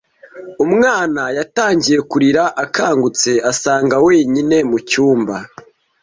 Umwana yatangiye kurira akangutse asanga wenyine mu cyumba.